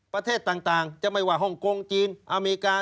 ประเทศต่างจะไม่ว่าฮ่องกงจีนอเมริกา